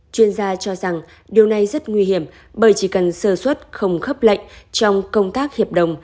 chuyên gia cho rằng điều này rất nguy hiểm bởi chỉ cần sơ xuất không khấp lệnh trong công tác hiệp đồng